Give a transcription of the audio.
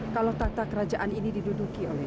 kalau tata kerajaan ini diduduki oleh